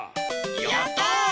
やった！